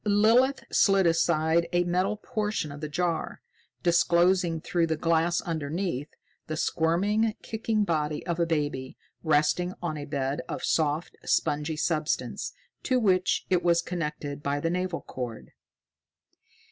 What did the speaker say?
Lilith slid aside a metal portion of the jar, disclosing through the glass underneath the squirming, kicking body of a baby, resting on a bed of soft, spongy substance, to which it was connected by the navel cord.